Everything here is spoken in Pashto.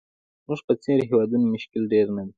زموږ په څېر هېوادونو مشکل ډېر نه دي.